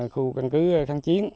khu căn cứ kháng chiến